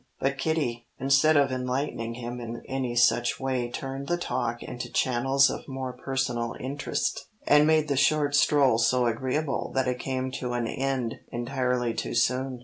But Kitty, instead of enlightening him in any such way turned the talk into channels of more personal interest, and made the short stroll so agreeable that it came to an end entirely too soon.